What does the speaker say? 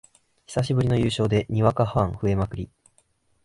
久しぶりの優勝でにわかファン増えまくり